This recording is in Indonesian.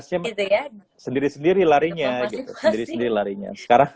jadi sendiri sendiri larinya